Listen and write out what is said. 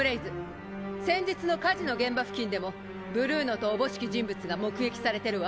先日の火事の現場付近でもブルーノと思しき人物が目撃されてるわ。